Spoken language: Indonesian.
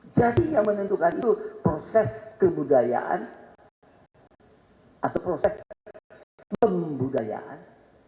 jadi yang menentukan itu proses kebudayaan atau proses pembudayaan